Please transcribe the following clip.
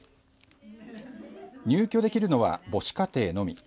入居できるのは母子家庭のみ。